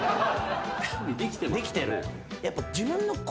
できてる。